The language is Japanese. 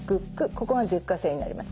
ここが舌下腺になります。